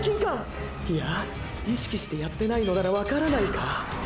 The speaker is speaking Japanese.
いや意識してやってないのならわからないか？